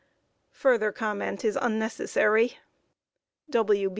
Further comment is unnecessary.